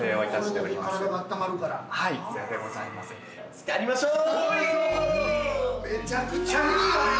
漬かりましょう！